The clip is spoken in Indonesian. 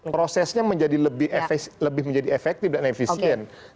prosesnya menjadi lebih menjadi efektif dan efisien